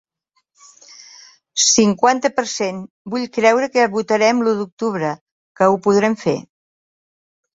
Cinquanta per cent Vull creure que votarem l’u d’octubre, que ho podrem fer.